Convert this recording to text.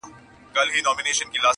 دا دهقان چي تخم پاشي او روان دی -